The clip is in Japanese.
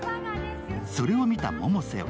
それを見た百瀬は